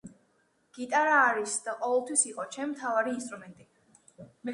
გიტარა არის, და ყოველთვის იყო, ჩემი მთავარი ინსტრუმენტი.